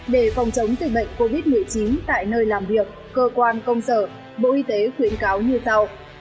để phòng chống dịch bệnh covid một mươi chín tại nơi làm việc cơ quan công sở bộ y tế khuyến cáo như tàu